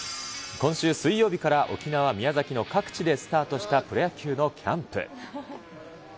今週水曜日から沖縄、宮崎の各地でスタートしたプロ野球のキャンプ。